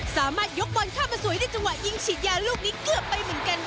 สามารถยกบอลเข้ามาสวยในจังหวะยิงฉีดยาลูกนี้เกือบไปเหมือนกันค่ะ